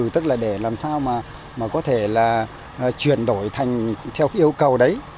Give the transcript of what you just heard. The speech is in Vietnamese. tức là để làm sao mà có thể là chuyển đổi theo yêu cầu đấy